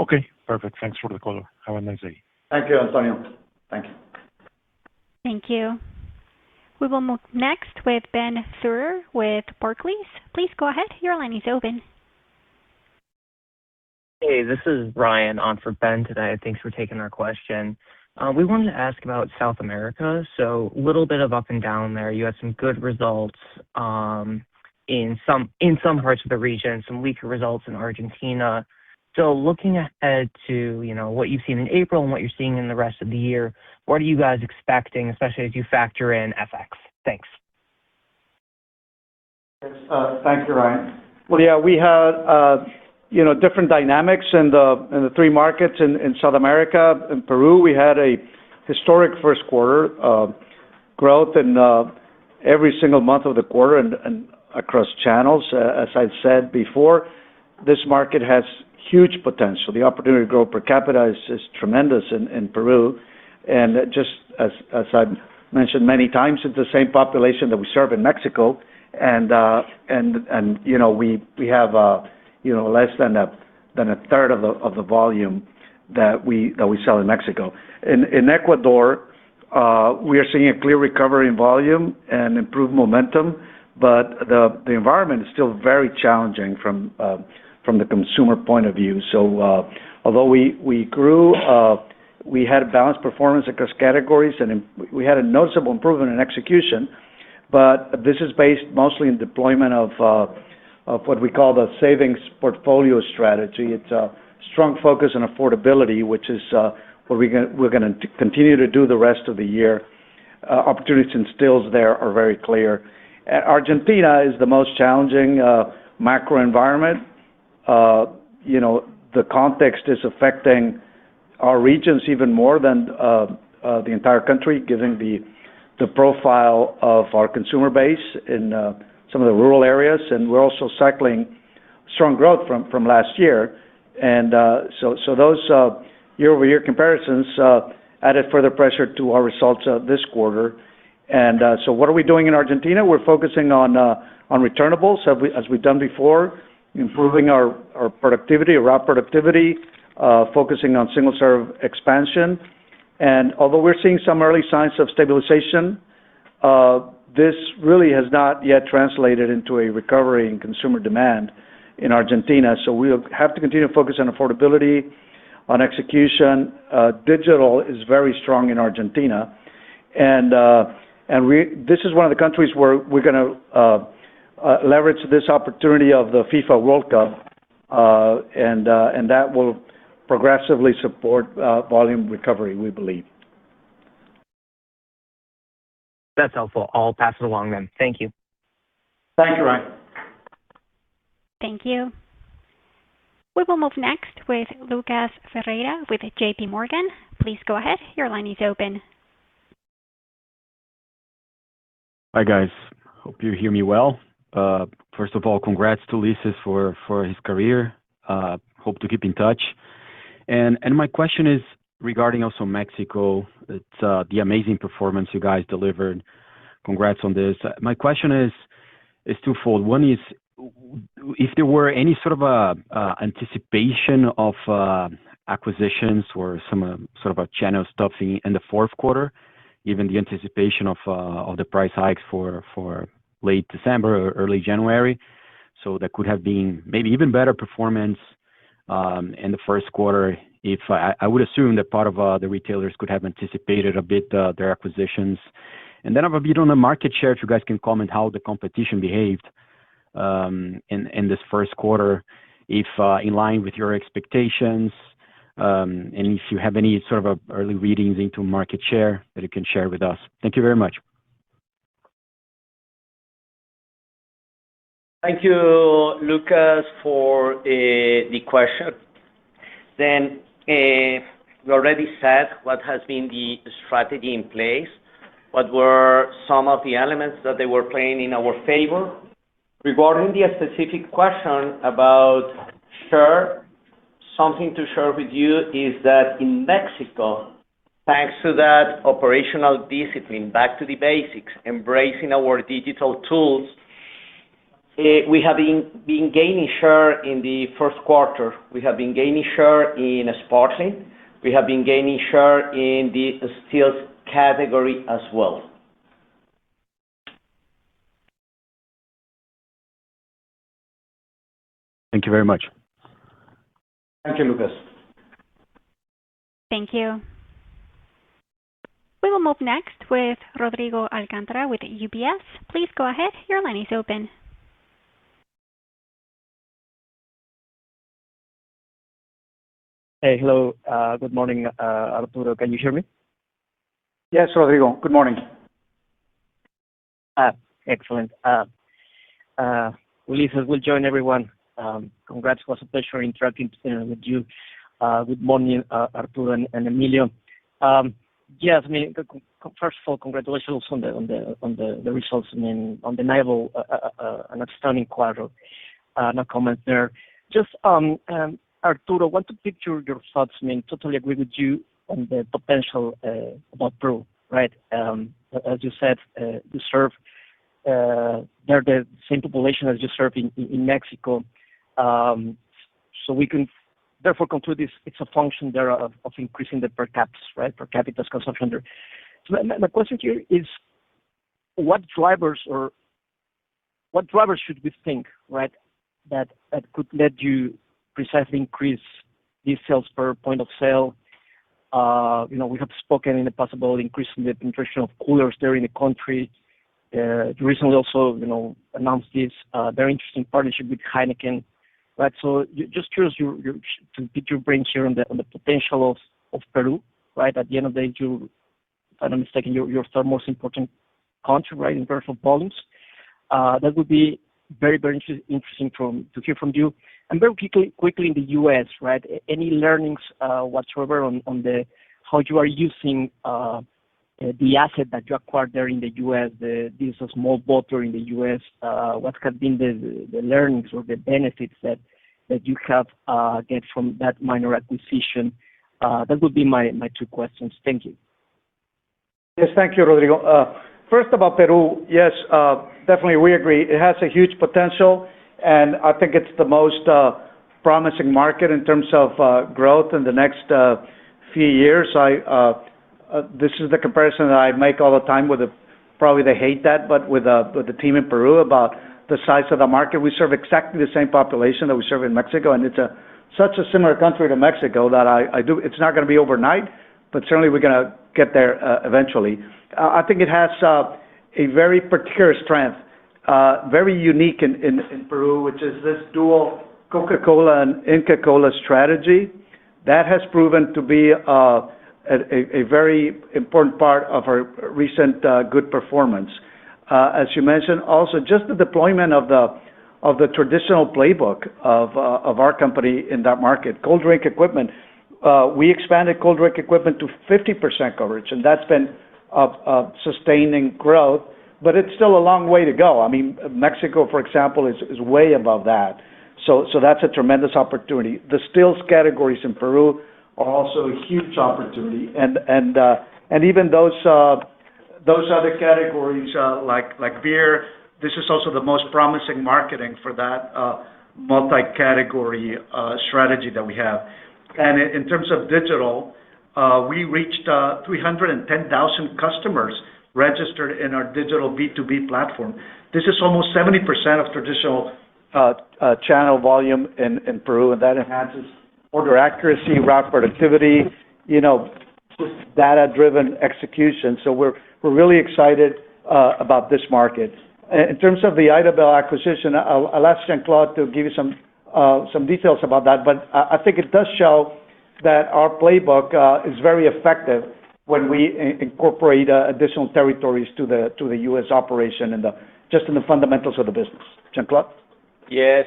Okay, perfect. Thanks for the call. Have a nice day. Thank you, Antonio. Thank you. Thank you. We will move next with Benjamin Theurer with Barclays. Please go ahead. Your line is open. Hey, this is Ryan on for Benjamin today. Thanks for taking our question. We wanted to ask about South America. A little bit of up and down there. You had some good results in some parts of the region, some weaker results in Argentina. Looking ahead to what you've seen in April and what you're seeing in the rest of the year, what are you guys expecting, especially as you factor in FX? Thanks. Thank you, Ryan. Well, yeah, we had different dynamics in the three markets in South America. In Peru, we had a historic first quarter of growth in every single month of the quarter and across channels. As I've said before, this market has huge potential. The opportunity to grow per capita is tremendous in Peru, and just as I've mentioned many times, it's the same population that we serve in Mexico. We have less than a third of the volume that we sell in Mexico. In Ecuador, we are seeing a clear recovery in volume and improved momentum, but the environment is still very challenging from the consumer point of view. Although we grew, we had a balanced performance across categories, and we had a noticeable improvement in execution. This is based mostly in deployment of what we call the savings portfolio strategy. It's a strong focus on affordability, which is what we're going to continue to do the rest of the year. Opportunities and skills there are very clear. Argentina is the most challenging macro environment. The context is affecting our regions even more than the entire country, given the profile of our consumer base in some of the rural areas. We're also cycling strong growth from last year. Those year-over-year comparisons added further pressure to our results this quarter. What are we doing in Argentina? We're focusing on returnables as we've done before, improving our productivity, our route productivity, focusing on single-serve expansion. Although we're seeing some early signs of stabilization, this really has not yet translated into a recovery in consumer demand in Argentina. We'll have to continue to focus on affordability, on execution. Digital is very strong in Argentina. This is one of the countries where we're going to leverage this opportunity of the FIFA World Cup, and that will progressively support volume recovery, we believe. That's helpful. I'll pass it along then. Thank you. Thank you, Ryan. Thank you. We will move next with Lucas Ferreira with JPMorgan. Please go ahead. Your line is open. Hi guys. Hope you hear me well. First of all, congrats to Ulises for his career. Hope to keep in touch. My question is regarding also Mexico, the amazing performance you guys delivered. Congrats on this. My question is twofold. One is if there were any sort of anticipation of acquisitions or some sort of a channel stuffing in the fourth quarter, even the anticipation of the price hikes for late December or early January. So that could have been maybe even better performance in the first quarter if I would assume that part of the retailers could have anticipated a bit their acquisitions. Then maybe on the market share, if you guys can comment how the competition behaved in this first quarter, if in line with your expectations, and if you have any sort of early readings into market share that you can share with us. Thank you very much. Thank you, Lucas, for the question. We already said what has been the strategy in place, what were some of the elements that they were playing in our favor. Regarding the specific question about share, something to share with you is that in Mexico, thanks to that operational discipline, back to the basics, embracing our digital tools, we have been gaining share in the first quarter. We have been gaining share in sparkling. We have been gaining share in the stills category as well. Thank you very much. Thank you, Lucas. Thank you. We will move next with Rodrigo Alcantara with UBS. Please go ahead. Your line is open. Hey. Hello, good morning. Arturo, can you hear me? Yes, Rodrigo Alcantara, good morning. Excellent. Ulises, we'll join everyone. Congrats. It was a pleasure interacting with you. Good morning, Arturo and Emilio. Yes, first of all, congratulations on the results. I mean, undeniable, an outstanding quarter. No comment there. Just, Arturo, I want to pick your thoughts. I mean, totally agree with you on the potential about Peru, right? As you said, you serve there the same population as you serve in Mexico. So we can therefore conclude it's a function there of increasing the per caps, right? Per capita's consumption there. So my question to you is what drivers should we think, right, that could let you precisely increase these sales per point of sale? We have spoken in the possible increase in the penetration of coolers there in the country. Recently also announced this very interesting partnership with Heineken, right? Just curious to pick your brains here on the potential of Peru, right? At the end of the day, if I'm not mistaken, your third most important country, right, in terms of volumes. That would be very interesting to hear from you. Very quickly in the U.S., right? Any learnings, whatsoever on how you are using the asset that you acquired there in the U.S., the business of More Bottle in the U.S., what have been the learnings or the benefits that you have gained from that minor acquisition? That would be my two questions. Thank you. Yes. Thank you, Rodrigo. First about Peru, yes, definitely we agree it has a huge potential, and I think it's the most promising market in terms of growth in the next few years. This is the comparison that I make all the time with, probably they hate that, but with the team in Peru about the size of the market. We serve exactly the same population that we serve in Mexico, and it's such a similar country to Mexico that it's not going to be overnight, but certainly we're going to get there, eventually. I think it has a very particular strength, very unique in Peru, which is this dual Coca-Cola and Inca Kola strategy. That has proven to be a very important part of our recent good performance. As you mentioned, also just the deployment of the traditional playbook of our company in that market, cold drink equipment. We expanded cold drink equipment to 50% coverage, and that's been a sustaining growth, but it's still a long way to go. Mexico, for example, is way above that. That's a tremendous opportunity. The stills categories in Peru are also a huge opportunity. Even those other categories, like beer, this is also the most promising marketing for that multi-category strategy that we have. In terms of digital, we reached 310,000 customers registered in our digital B2B platform. This is almost 70% of traditional channel volume in Peru. That enhances order accuracy, route productivity, just data-driven execution. We're really excited about this market. In terms of the Idabel acquisition, I'll ask Jean Claude to give you some details about that, but I think it does show that our playbook is very effective when we incorporate additional territories to the U.S. operation and just in the fundamentals of the business. Jean Claude? Yes.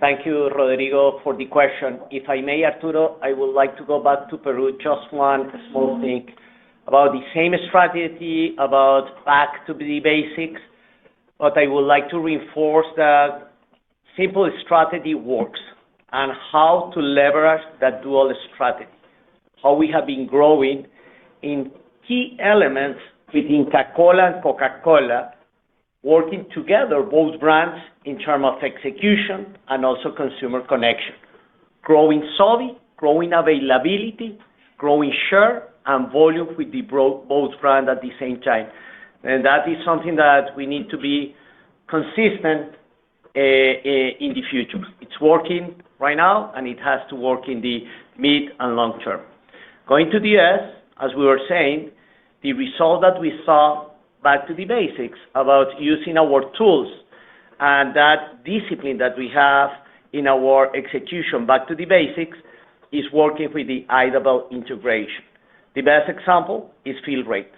Thank you, Rodrigo, for the question. If I may, Arturo, I would like to go back to Peru, just one small thing about the same strategy, about back to the basics, but I would like to reinforce that simple strategy works and how to leverage that dual strategy. How we have been growing in key elements with Inca Kola and Coca-Cola working together, both brands, in terms of execution and also consumer connection. Growing sell-in, growing availability, growing share and volume with both brands at the same time. That is something that we need to be consistent in the future. It's working right now, and it has to work in the mid and long term. Going to the U.S., as we were saying, the result that we saw back to the basics about using our tools and that discipline that we have in our execution back to the basics is working with the Idabel integration. The best example is fill rate.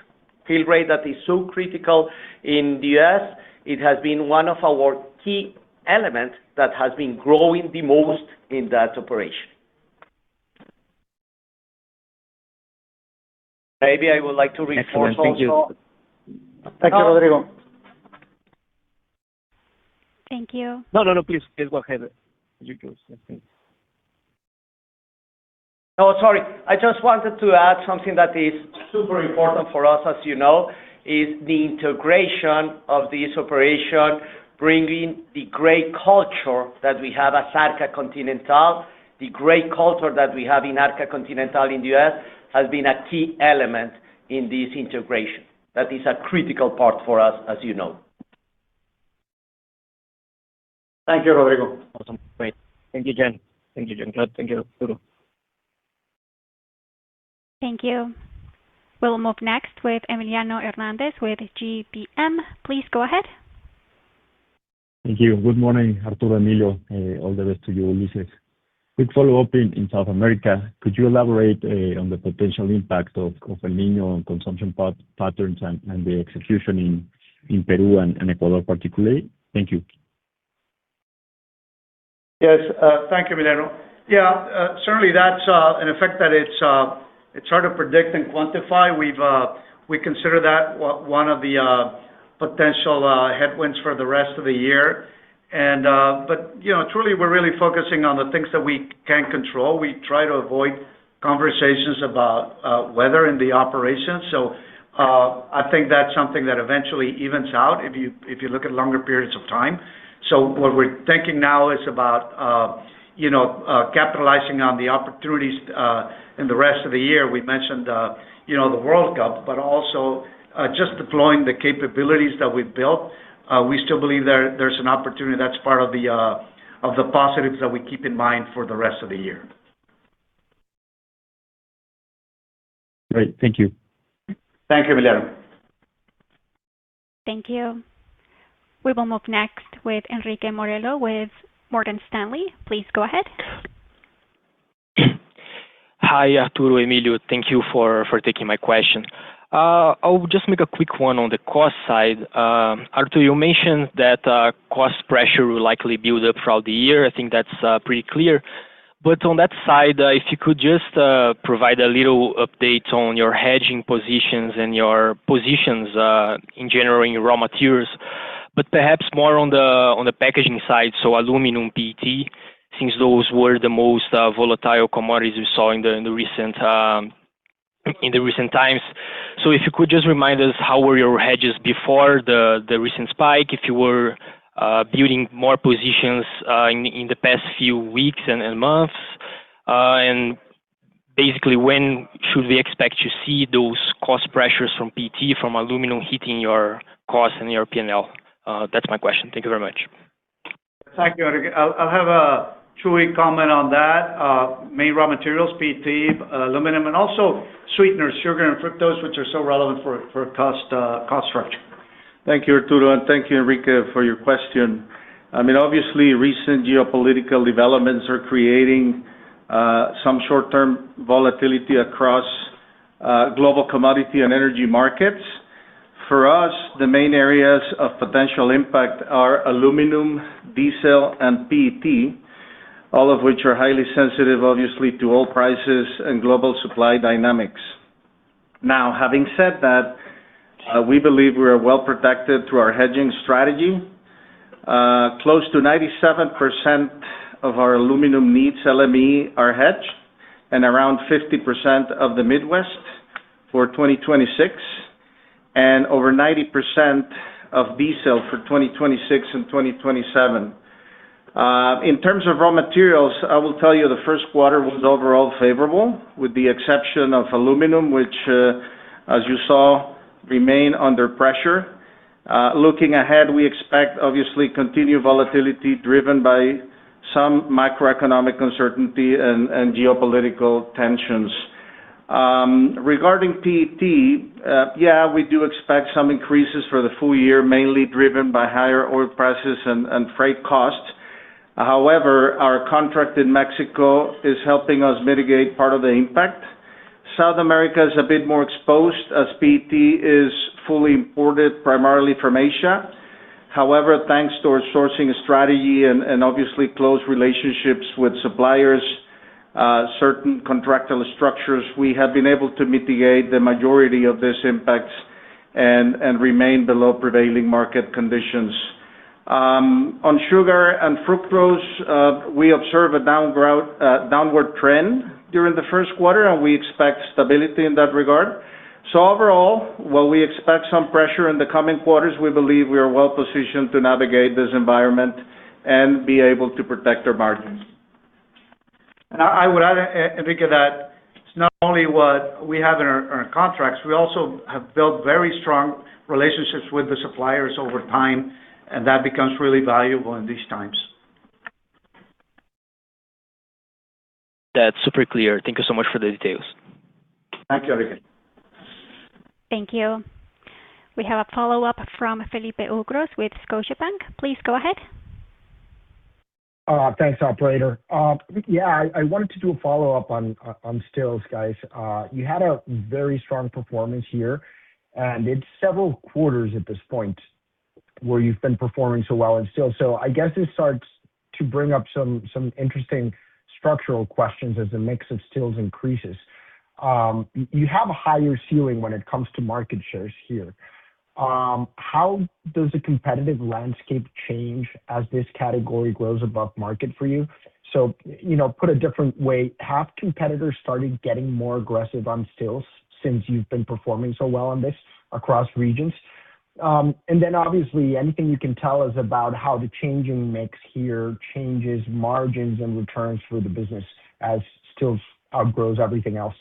Fill rate that is so critical in the U.S., it has been one of our key elements that has been growing the most in that operation. Maybe I would like to reinforce also. Excellent. Thank you. Thank you, Rodrigo. Thank you. No, please, go ahead. You go. Yeah, please. Oh, sorry. I just wanted to add something that is super important for us, as you know, is the integration of this operation, bringing the great culture that we have as Arca Continental. The great culture that we have in Arca Continental in the U.S. has been a key element in this integration. That is a critical part for us, as you know. Thank you, Rodrigo Alcantara. Awesome. Great. Thank you, Jean Claude, thank you. Arturo. Thank you. We'll move next with Emiliano Hernández with Grupo Bursátil Mexicano. Please go ahead. Thank you. Good morning, Arturo, Emilio. All the best to you, Ulises. Quick follow-up in South America. Could you elaborate on the potential impact of El Niño on consumption patterns and the execution in Peru and Ecuador particularly? Thank you. Yes. Thank you, Emiliano. Yeah. Certainly, that's an effect that it's hard to predict and quantify. We consider that one of the potential headwinds for the rest of the year. Truly, we're really focusing on the things that we can control. We try to avoid conversations about weather in the operation. I think that's something that eventually evens out if you look at longer periods of time. What we're thinking now is about capitalizing on the opportunities in the rest of the year. We mentioned the World Cup, but also just deploying the capabilities that we've built. We still believe there's an opportunity that's part of the positives that we keep in mind for the rest of the year. Great. Thank you. Thank you, Emiliano. Thank you. We will move next with Henrique Morello with Morgan Stanley. Please go ahead. Hi, Arturo, Emilio. Thank you for taking my question. I'll just make a quick one on the cost side. Arturo, you mentioned that cost pressure will likely build up throughout the year. I think that's pretty clear. On that side, if you could just provide a little update on your hedging positions and your positions in general in your raw materials, but perhaps more on the packaging side, so aluminum, PET, since those were the most volatile commodities we saw in the recent times. If you could just remind us how were your hedges before the recent spike, if you were building more positions in the past few weeks and months. Basically, when should we expect to see those cost pressures from PET, from aluminum hitting your cost and your P&L? That's my question. Thank you very much. Thank you, Henrique. I'll have Jesús García Chapa comment on that. Main raw materials, PET, aluminum, and also sweeteners, sugar and fructose, which are so relevant for cost structure. Thank you, Arturo, and thank you, Henrique, for your question. Obviously, recent geopolitical developments are creating Some short-term volatility across global commodity and energy markets. For us, the main areas of potential impact are aluminum, diesel, and PET, all of which are highly sensitive, obviously, to oil prices and global supply dynamics. Now, having said that, we believe we are well-protected through our hedging strategy. Close to 97% of our aluminum needs, LME, are hedged, and around 50% of the Midwest for 2026, and over 90% of diesel for 2026 and 2027. In terms of raw materials, I will tell you the first quarter was overall favorable with the exception of aluminum, which, as you saw, remain under pressure. Looking ahead, we expect obviously continued volatility driven by some macroeconomic uncertainty and geopolitical tensions. Regarding PET, yeah, we do expect some increases for the full year, mainly driven by higher oil prices and freight costs. However, our contract in Mexico is helping us mitigate part of the impact. South America is a bit more exposed as PET is fully imported primarily from Asia. However, thanks to our sourcing strategy and obviously close relationships with suppliers, certain contractual structures, we have been able to mitigate the majority of these impacts and remain below prevailing market conditions. On sugar and fructose, we observe a downward trend during the first quarter, and we expect stability in that regard. Overall, while we expect some pressure in the coming quarters, we believe we are well positioned to navigate this environment and be able to protect our margins. I would add, Henrique, that it's not only what we have in our contracts. We also have built very strong relationships with the suppliers over time, and that becomes really valuable in these times. That's super clear. Thank you so much for the details. Thank you, Henrique. Thank you. We have a follow-up from Felipe Ucros with Scotiabank. Please go ahead. Thanks, operator. Yeah, I wanted to do a follow-up on stills, guys. You had a very strong performance here, and it's several quarters at this point where you've been performing so well in stills. I guess this starts to bring up some interesting structural questions as the mix of stills increases. You have a higher ceiling when it comes to market shares here. How does the competitive landscape change as this category grows above market for you? Put a different way, have competitors started getting more aggressive on stills since you've been performing so well on this across regions? Obviously anything you can tell us about how the changing mix here changes margins and returns for the business as stills outgrows everything else.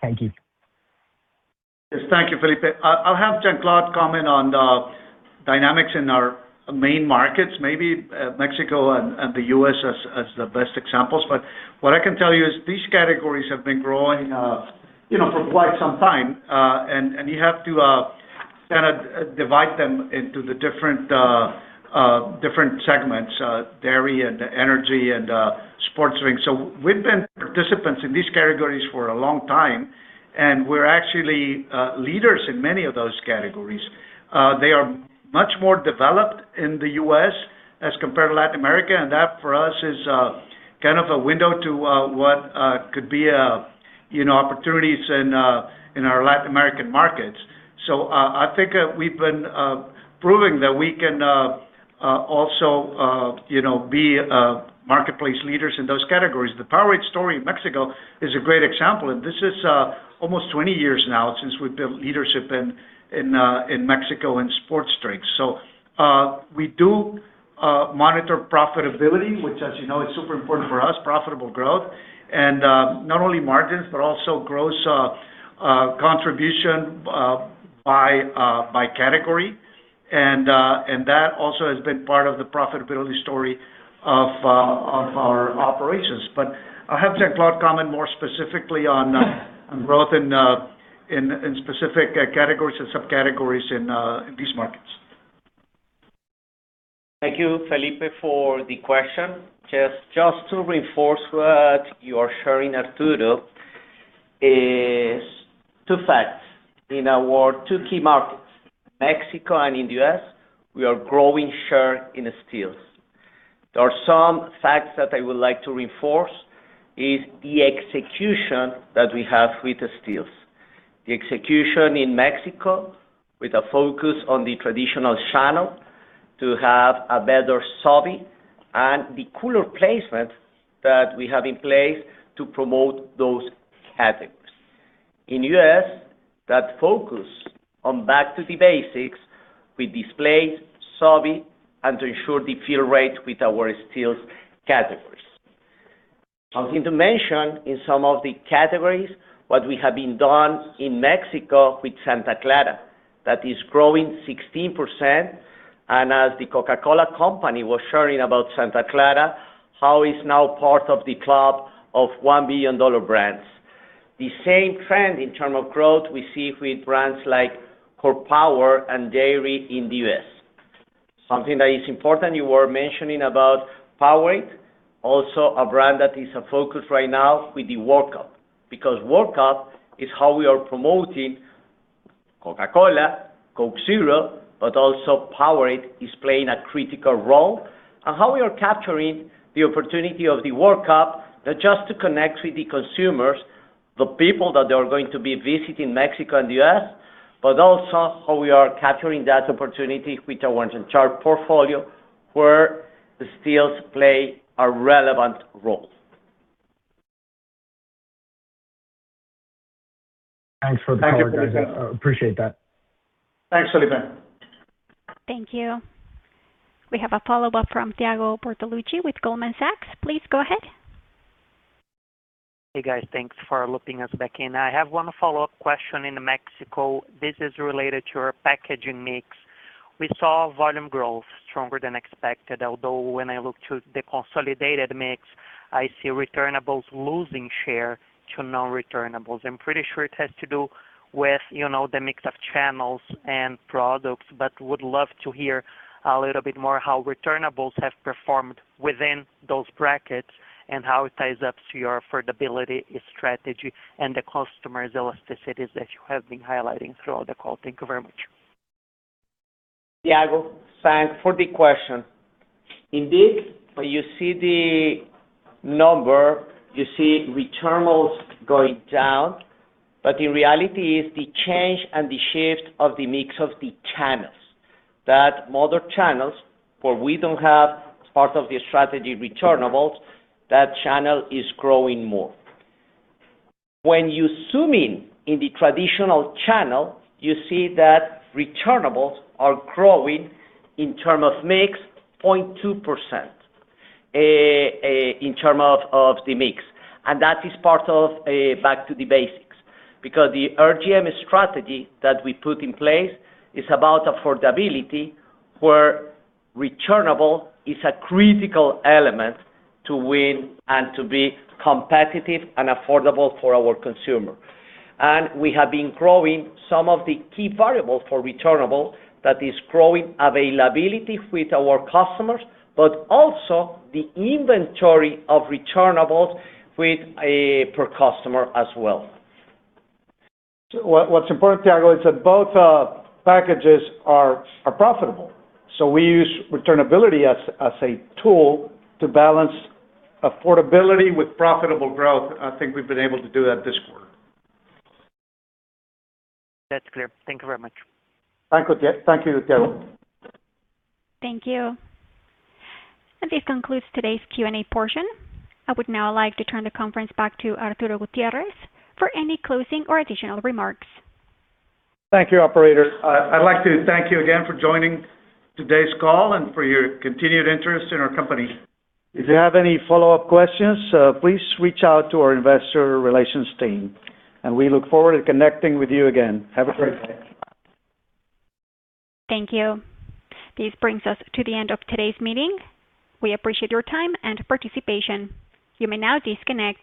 Thank you. Yes. Thank you, Felipe. I'll have Jean Claude comment on the dynamics in our main markets, maybe Mexico and the U.S. as the best examples. What I can tell you is these categories have been growing for quite some time. You have to kind of divide them into the different segments, dairy and energy and sports drinks. We've been participants in these categories for a long time, and we're actually leaders in many of those categories. They are much more developed in the U.S. as compared to Latin America, and that for us is kind of a window to what could be opportunities in our Latin American markets. I think we've been proving that we can also be marketplace leaders in those categories. The Powerade story in Mexico is a great example, and this is almost 20 years now since we've built leadership in Mexico in sports drinks. We do monitor profitability, which as you know, is super important for us, profitable growth and, not only margins, but also gross contribution by category. That also has been part of the profitability story of our operations. I'll have Jean Claude comment more specifically on growth in specific categories and subcategories in these markets. Thank you, Felipe, for the question. Just to reinforce what you are sharing, Arturo, is two facts. In our two key markets, Mexico and in the U.S., we are growing share in the stills. There are some facts that I would like to reinforce, is the execution that we have with the stills. The execution in Mexico with a focus on the traditional channel to have a better SOV and the cooler placement that we have in place to promote those categories. In the U.S., that focus on back to the basics with displays, SOV, and to ensure the fill rate with our stills categories. I'm going to mention in some of the categories what we have been done in Mexico with Santa Clara, that is growing 16%. As The Coca-Cola Company was sharing about Santa Clara, how it's now part of the club of $1 billion brands. The same trend in terms of growth we see with brands like Core Power and dairy in the U.S. Something that is important, you were mentioning about POWERADE, also a brand that is a focus right now with the World Cup. World Cup is how we are promoting Coca-Cola, Coke Zero, but also POWERADE is playing a critical role on how we are capturing the opportunity of the World Cup, not just to connect with the consumers, the people that they are going to be visiting Mexico and the U.S., but also how we are capturing that opportunity with our on-trade and off-trade portfolio, where the sales play a relevant role. Thanks for the color, guys. I appreciate that. Thanks, Felipe Ucros. Thank you. We have a follow-up from Thiago Bortoluci with Goldman Sachs. Please go ahead. Hey, guys. Thanks for looping us back in. I have one follow-up question in Mexico. This is related to your packaging mix. We saw volume growth stronger than expected, although when I look to the consolidated mix, I see returnables losing share to non-returnables. I'm pretty sure it has to do with the mix of channels and products, but would love to hear a little bit more how returnables have performed within those brackets and how it ties up to your affordability strategy and the customer's elasticities that you have been highlighting throughout the call. Thank you very much. Thiago, thanks for the question. Indeed, when you see the number, you see returnables going down. The reality is the change and the shift of the mix of the channels. That modern channels, where we don't have part of the strategy returnables, that channel is growing more. When you zoom in in the traditional channel, you see that returnables are growing in term of mix 0.2% in term of the mix. That is part of back to the basics. Because the RGM strategy that we put in place is about affordability, where returnable is a critical element to win and to be competitive and affordable for our consumer. We have been growing some of the key variables for returnable that is growing availability with our customers, but also the inventory of returnables with per customer as well. What's important, Thiago, is that both packages are profitable. We use returnability as a tool to balance affordability with profitable growth. I think we've been able to do that this quarter. That's clear. Thank you very much. Thank you, Thiago. Thank you. This concludes today's Q&A portion. I would now like to turn the conference back to Arturo Gutiérrez for any closing or additional remarks. Thank you, operator. I'd like to thank you again for joining today's call and for your continued interest in our company. If you have any follow-up questions, please reach out to our investor relations team. We look forward to connecting with you again. Have a great day. Thank you. This brings us to the end of today's meeting. We appreciate your time and participation. You may now disconnect.